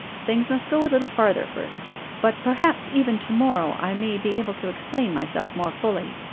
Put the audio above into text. Things must go a little farther first. But, perhaps even to morrow I may be able to explain myself more fully.